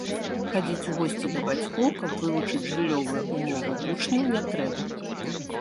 Хадзіць у госці да бацькоў, каб вывучыць жыллёвыя ўмовы вучняў, не трэба.